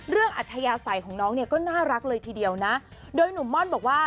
อัธยาศัยของน้องเนี่ยก็น่ารักเลยทีเดียวนะโดยหนุ่มม่อนบอกว่า